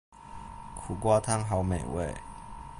苦瓜湯好美味